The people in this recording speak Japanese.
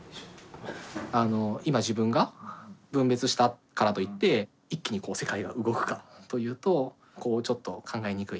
今自分が分別したからといって一気にこう世界が動くかというとこうちょっと考えにくい。